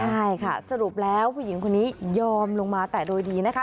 ใช่ค่ะสรุปแล้วผู้หญิงคนนี้ยอมลงมาแต่โดยดีนะคะ